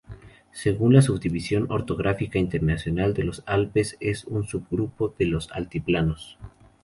Según la subdivisión orográfica internacional de los Alpes es un subgrupo de los Altiplanos.